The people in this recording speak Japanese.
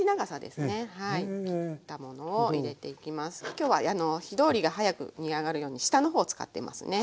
今日は火通りが早く煮上がるように下の方使ってますね。